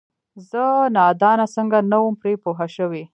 زه نادانه څنګه نه وم پرې پوه شوې؟!